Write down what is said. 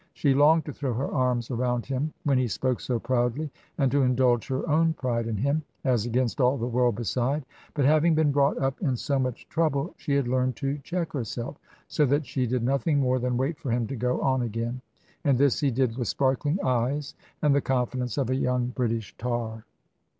She longed to throw her arms around him, when he spoke so proudly, and to indulge her own pride in him, as against all the world beside. But having been brought up in so much trouble, she had learned to check herself. So that she did nothing more than wait for him to go on again. And this he did with sparkling eyes and the confidence of a young British tar.